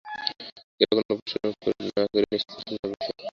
গোরাও কোনো প্রশ্ন না করিয়া নিশ্চল হইয়া বসিয়া রহিল।